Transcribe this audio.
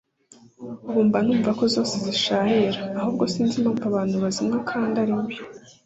ubu mba numva ko zose zisharira ahubwo sinzi impamvu abantu bazinywa kandi ari mbi